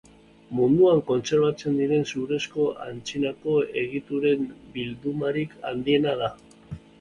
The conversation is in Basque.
Munduan kontserbatzen diren zurezko antzinako egituren bildumarik handiena da.